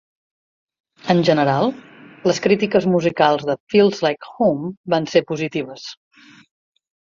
En general, les crítiques musicals de "Feels Like Home" van ser positives.